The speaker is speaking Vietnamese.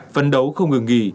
phấn đấu không ngừng nghỉ